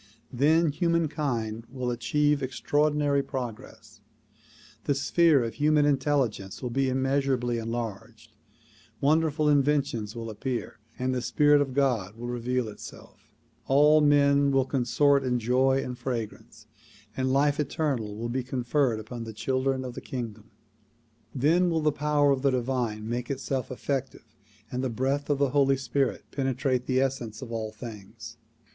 Then humankind will achieve extraordinary progress, the sphere of human intelligence will be immeasurably enlarged, wonderful inventions will appear and the spirit of God will reveal itself; all men will consort in joy and fragrance, and life eternal will be conferred upon the children of the kingdom. Then will the power of the divine make itself effective and the breath of the Holy Spirit penetrate the essence of all things.